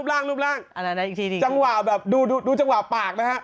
อะไรนะอีกทีนี้ดีกว่ารูปร่างดูจังหวะปากนะฮะ